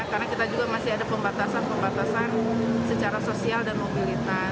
karena kita juga masih ada pembatasan pembatasan secara sosial dan mobilitas